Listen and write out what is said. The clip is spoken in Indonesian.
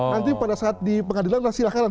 nanti pada saat di pengadilan silahkan